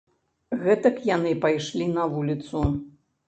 Гэтак яны пайшлі на вуліцу.